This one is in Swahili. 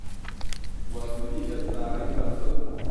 kuwasilisha taarifa zozote